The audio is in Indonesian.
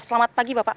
selamat pagi bapak